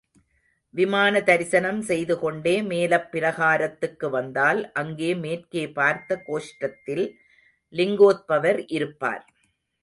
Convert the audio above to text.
விமான தரிசனம் செய்து கொண்டே மேலப் பிரகாரத்துக்கு வந்தால், அங்கே மேற்கே பார்த்த கோஷ்டத்தில் லிங்கோத்பவர் இருப்பார்.